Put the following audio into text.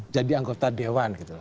jadi anggota dewan